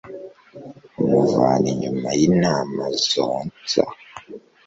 amuvana inyuma y'intama zonsa